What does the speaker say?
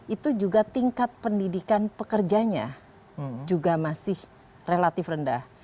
itu juga tingkat pendidikan pekerjanya juga masih relatif rendah